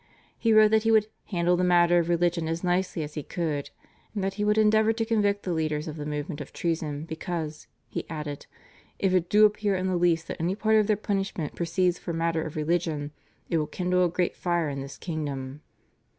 He wrote that he would "handle the matter of religion as nicely as he could," and that he would endeavour to convict the leaders of the movement of treason because, he added, "if it do appear in the least that any part of their punishment proceeds for matter of religion, it will kindle a great fire in this kingdom."